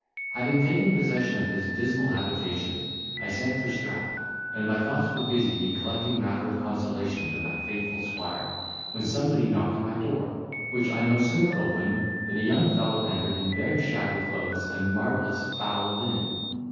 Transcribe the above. Having taken possession of this dismal habitation, I sent for Strap, and my thoughts were busied in collecting matter of consolation to that faithful squire, when somebody knocked at my door, which I no sooner opened, than a young fellow entered in very shabby clothes and marvellous foul linen.